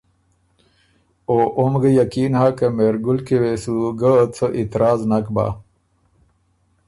او اوم ګه یقین هۀ که مهرګل کی وې سو ګۀ څه اعتراض نک بَۀ۔